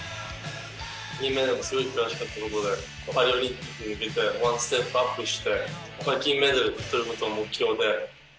銀メダルがすごい悔しかったことで、パリオリンピックに向けてワンステップアップして、金メダルをとることが目標で。